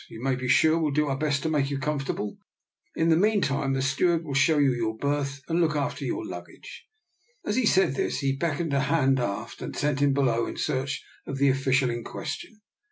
You may be sure we'll do our best to make you comfortable. In the meantime the steward will show you your berth and look after your luggage." As he said this he beckoned a hand aft and sent him below in search of the official in question.